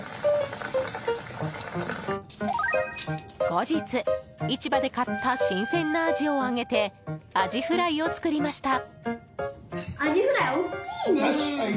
後日、市場で買った新鮮なアジを揚げてアジフライを作りました。